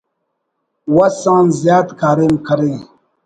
وس آن زیات کاریم کرے